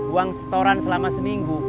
uang setoran selama seminggu